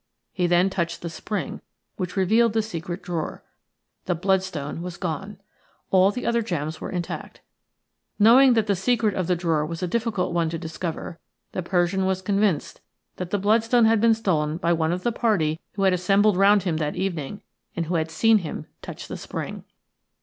He then touched the spring which revealed the secret drawer – the bloodstone was gone. All the other gems were intact. Knowing that the secret of the drawer was a difficult one to discover, the Persian was convinced that the bloodstone had been stolen by one of the party who assembled round him that evening and who had seen him touch the spring.